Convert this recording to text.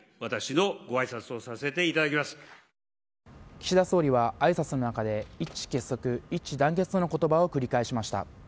岸田総理は、挨拶の中で一致結束、一致団結との言葉を繰り返しました。